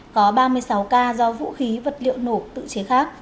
có ba mươi sáu ca do vũ khí vật liệu nổ tự chế khác